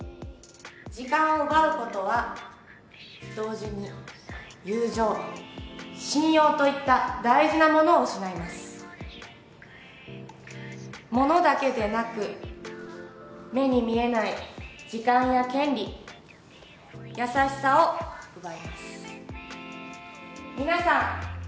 時間を奪うことは同時に友情信用といった大事なものを失いますものだけでなく目に見えない時間や権利優しさを奪います皆さん